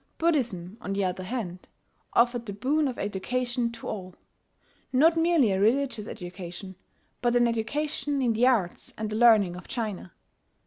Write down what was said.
Buddhism, on the other hand, offered the boon of education to all, not merely a religious education, but an education in the arts and the learning of China.